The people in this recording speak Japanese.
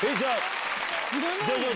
知らない。